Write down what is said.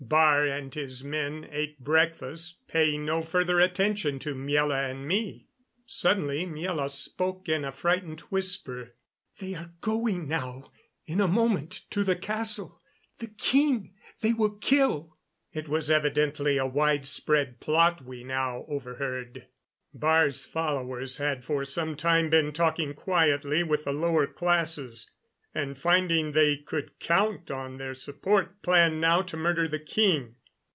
Baar and his men ate breakfast, paying no further attention to Miela and me. Suddenly Miela spoke in a frightened whisper. "They are going now in a moment to the castle. The king they will kill!" It was evidently a widespread plot we now overheard. Baar's followers had for some time been talking quietly with the lower classes, and, finding they could count on their support, planned now to murder the king.